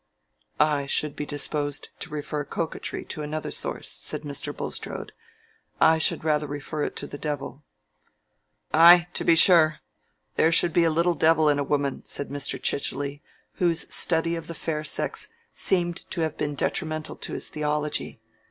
"I should be disposed to refer coquetry to another source," said Mr. Bulstrode. "I should rather refer it to the devil." "Ay, to be sure, there should be a little devil in a woman," said Mr. Chichely, whose study of the fair sex seemed to have been detrimental to his theology.